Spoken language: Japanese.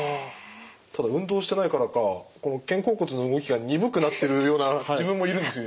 ただ運動してないからかこの肩甲骨の動きが鈍くなってるような自分もいるんですよ